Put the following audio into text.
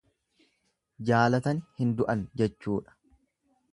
Jaalatani hin du'an jechuudha.